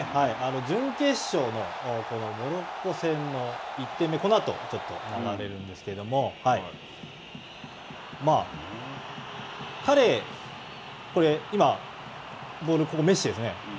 準決勝のモロッコ戦の１点目このあと、ちょっと流れるんですけれども、彼、これ、今、ボールメッシですね。